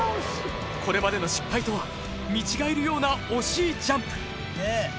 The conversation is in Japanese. これまでの失敗とは見違えるような惜しいジャンプ。